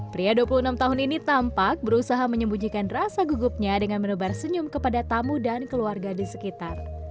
pria dua puluh enam tahun ini tampak berusaha menyembunyikan rasa gugupnya dengan menebar senyum kepada tamu dan keluarga di sekitar